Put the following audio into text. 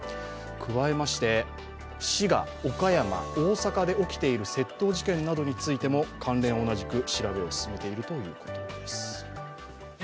加えまして、滋賀、岡山、大阪で起きている窃盗事件でも関連を同じく調べを進めているということです。